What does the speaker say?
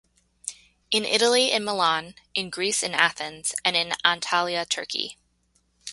In Italy in Milan, in Greece in Athens and in Antalya, Turkey.